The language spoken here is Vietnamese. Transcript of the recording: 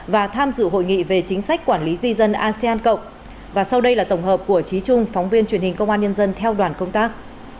và tham dự hội nghị về chính sách quản lý di dân asean cộng và sau đây là tổng hợp của trí trung phóng viên truyền hình công an nhân dân theo đoàn công tác